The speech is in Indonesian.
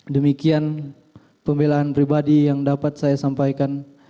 demikian pembelaan pribadi yang dapat saya sampaikan